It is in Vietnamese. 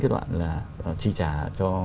cái đoạn là chi trả cho